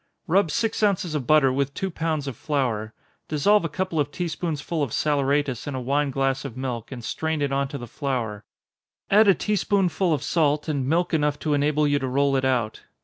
_ Rub six ounces of butter with two pounds of flour dissolve a couple of tea spoonsful of saleratus in a wine glass of milk, and strain it on to the flour add a tea spoonful of salt, and milk enough to enable you to roll it out.